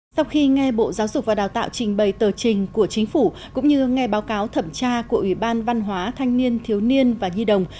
sau khi nghe bộ giáo dục và đào tạo trình bày tờ trình của chính phủ cũng như nghe báo cáo thẩm tra của ủy ban văn hóa thanh niên thiếu niên và nhi đồng